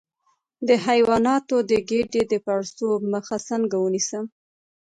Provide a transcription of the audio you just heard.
د حیواناتو د ګیډې د پړسوب مخه څنګه ونیسم؟